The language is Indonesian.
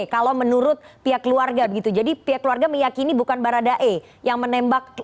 kalau menurut pihak keluarga begitu jadi pihak keluarga meyakini bukan baradae yang menembak